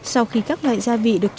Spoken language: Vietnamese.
sau khi các loại gia vị được trộn